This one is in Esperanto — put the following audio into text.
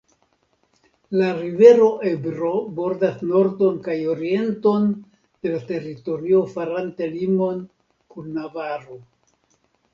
La rivero Ebro bordas nordon kaj orienton de la teritorio farante limon kun Navaro.